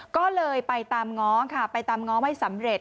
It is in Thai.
ก็เลยไปตามง้อค่ะไปตามง้อไม่สำเร็จ